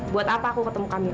buat apa aku ketemu kami